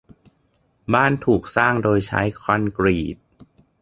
บ้านถูกสร้างโดยใช้คอนกรีต